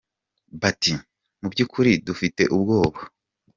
Bati : “Mu by’ukuri dufite ubwoba”.